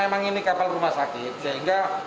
memang ini kapal rumah sakit sehingga